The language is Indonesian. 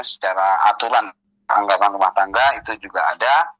secara aturan anggaran rumah tangga itu juga ada